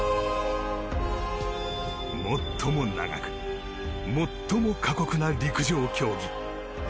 最も長く最も過酷な陸上競技。